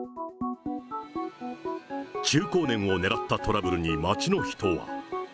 中高年を狙ったトラブルに街の人は。